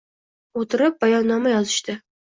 O‘tirib, bayonnoma yozishdi.